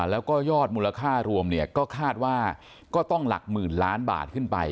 แล้วก็ยอดมูลค่ารวมเนี่ยก็คาดว่าก็ต้องหลักหมื่นล้านบาทขึ้นไป